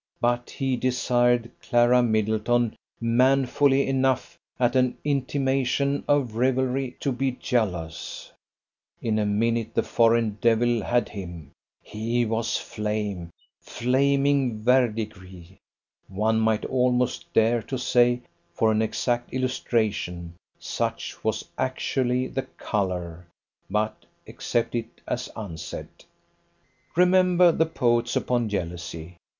But he desired Clara Middleton manfully enough at an intimation of rivalry to be jealous; in a minute the foreign devil had him, he was flame: flaming verdigris, one might almost dare to say, for an exact illustration; such was actually the colour; but accept it as unsaid. Remember the poets upon jealousy.